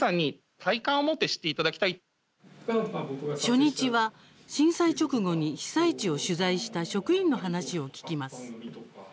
初日は、震災直後に被災地を取材した職員の話を聞きます。